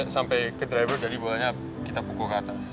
sampai ke driver jadi bolanya kita pukul ke atas